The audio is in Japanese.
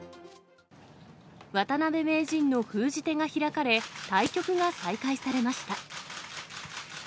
渡辺名人の封じ手が開かれ、対局が再開されました。